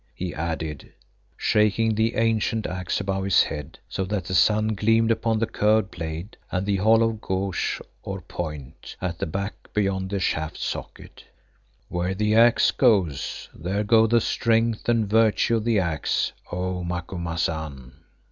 he added, shaking the ancient axe above his head so that the sun gleamed upon the curved blade and the hollow gouge or point at the back beyond the shaft socket. "Where the Axe goes, there go the strength and virtue of the Axe, O Macumazahn."